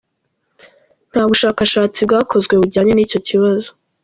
Nta bushakashatsi bwakozwe bujyanye n’icyo kibazo.